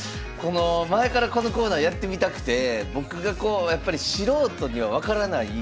前からこのコーナーやってみたくて僕がやっぱり素人には分からない